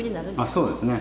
あっそうですね。